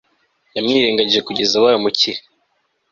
yamwirengagije kugeza abaye umukire